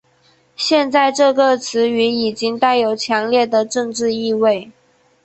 现在这个词语已经带有强烈的政治意味。